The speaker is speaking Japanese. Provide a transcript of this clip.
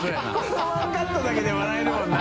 海ワンカットだけで笑えるもんな。